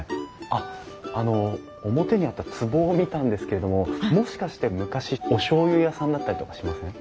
あっあの表にあったつぼを見たんですけどももしかして昔おしょうゆ屋さんだったりとかしません？